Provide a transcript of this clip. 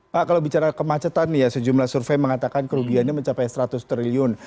pak kalau bicara kemacetan ya sejumlah survei mengatakan kerugiannya mencapai seratus triliun